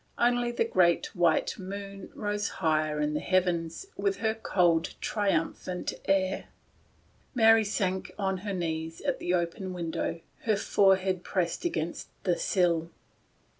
Only the great white moon rose higher in the heavens with her cold, triumph ant air. Mary sank on her knees at the open win dow, her forehead pressed against the sill.